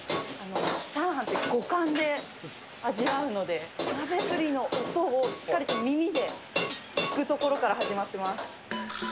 チャーハンって五感で味わうので、鍋振りの音をしっかりと耳で聞くところから始まってます。